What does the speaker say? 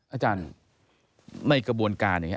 อาจารย์ในกระบวนการอย่างนี้